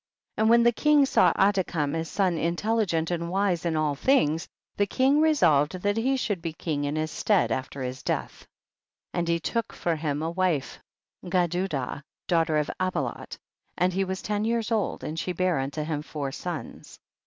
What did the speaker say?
54. And when the king saw Adi kam his son intelligent and wise in all things, the king resolved that he should be king in his stead after his death. 55. And he took for him a wife Gedudah daughter of Abilot, and he was ten years old, and she bare unto him four sons.